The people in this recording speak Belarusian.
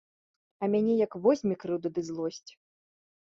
А мяне як возьме крыўда ды злосць.